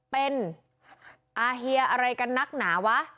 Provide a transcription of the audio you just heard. เป็นอาเฮียอะไรกันนักหนาวะ